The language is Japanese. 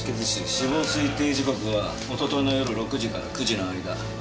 死亡推定時刻は一昨日の夜６時から９時の間。